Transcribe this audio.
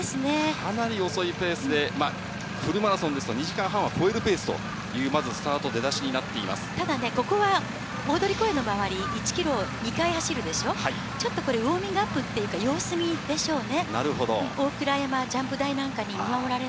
かなり遅いペースで、フルマラソンですと、２時間半は超えるペースという、まずスタート、ただね、ここは大通公園の周り、１キロ２回走るでしょ、ちょっとこれ、ウォーミングアップっていうか、様子見でしょうね。